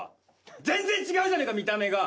全然違うじゃねえか見た目が。